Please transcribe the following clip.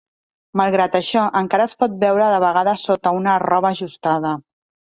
Malgrat això, encara es pot veure de vegades sota una roba ajustada.